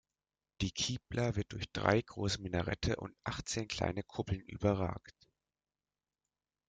Die Qibla wird durch drei große Minarette und achtzehn kleine Kuppeln überragt.